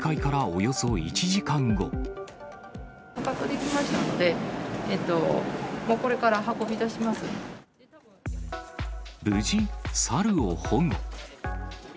捕獲できましたので、無事、サルを保護。